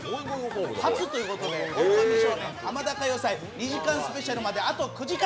初ということで、「オオカミ少年・ハマダ歌謡祭」２時間スペシャルまであと９時間。